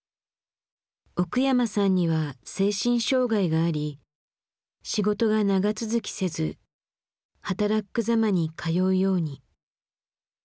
奥山さんには精神障害があり仕事が長続きせずはたらっく・ざまに通うように。